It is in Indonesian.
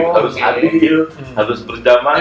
harus adil harus berdamai